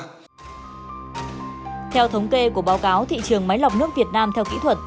theo thống kê của báo cáo thị trường máy lọc nước việt nam theo kỹ thuật